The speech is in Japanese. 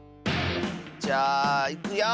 じゃあいくよ。